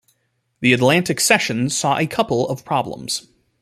The Atlantic session saw a couple of problems.